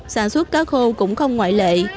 sản xuất cá khô cũng không ngoại lệ